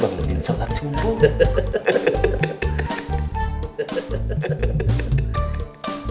bangunin sholat sumbuh